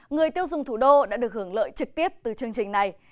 người tiêu dùng thủ đô đã được hưởng lợi trực tiếp từ chương trình này